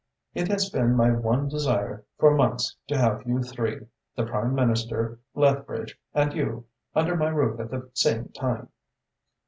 It has been my one desire for months to have you three the Prime Minister, Lethbridge and you under my roof at the same time."